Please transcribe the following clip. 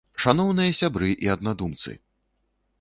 Шаноўныя сябры і аднадумцы!